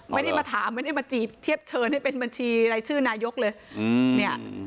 ไม่ได้มาถามไม่ได้มาจีบเทียบเชิญให้เป็นบัญชีรายชื่อนายกเลยอืมเนี่ย